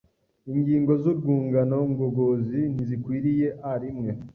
Ingingo z’urwungano ngogozi ntizikwiriye a rimwe